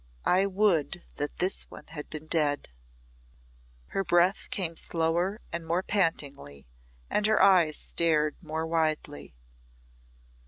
I would that this one had been dead." Her breath came slower and more pantingly, and her eyes stared more widely.